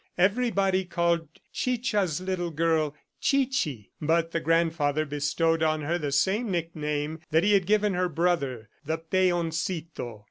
Everybody called Chicha's little girl Chichi, but the grandfather bestowed on her the same nickname that he had given her brother, the "peoncito."